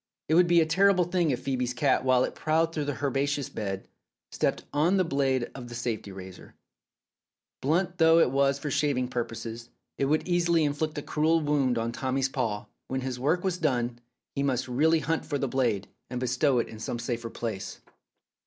It would be a terrible thing if Phoebe's cat, while it prowled though the herbaceous bed, stepped on the blade of the safety 293 Philip's Safety Razor razor. Blunt though it was for shaving purposes, it would easily inflict a cruel wound on Tommy's paw. When his work was done, he must really hunt for the blade, and bestow it in some safer place.